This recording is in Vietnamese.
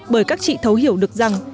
bởi các chị thấu hiểu được rằng